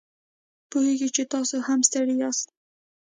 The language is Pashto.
پوهیږو چې تاسو هم ستړي یاست